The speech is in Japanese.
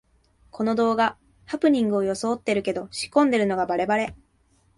この動画、ハプニングをよそおってるけど仕込んでるのがバレバレ